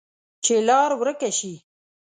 چې لار ورکه شي،